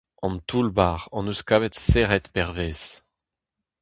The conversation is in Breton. An toull-bac’h hon eus kavet serret pervezh.